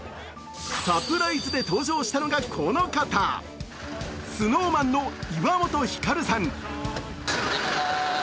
サプライズで登場したのが、この方ＳｎｏｗＭａｎの岩本照さん。